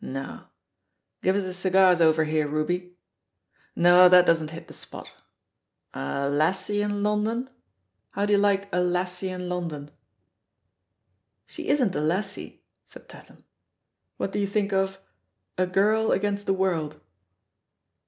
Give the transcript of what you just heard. No — ^give us the cigars over here. Ruby! — ^no, that doesn't hit the spot. 'A Lassie in London' ? How do you Uke * A Lassie in London' ?'* "She isn't a lassie,'* said Tatham. "What do you think of 'A Girl Against the World'?"